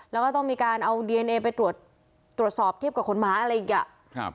แล้วก็ต้องมีการเอาดีเอเนไปตรวจสอบเทียบกับคนหมาอะไรอย่างเงี้ย